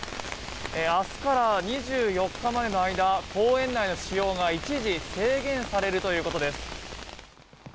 明日から２４日までの間公園内の利用が一時制限されるということです。